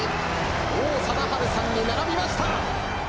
王貞治さんに並びました。